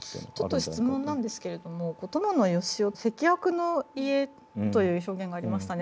ちょっと質問なんですけれども伴善男「積悪の家」という表現がありましたね。